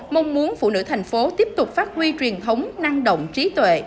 mong muốn phụ nữ thành phố tiếp tục phát huy truyền thống năng động trí tuệ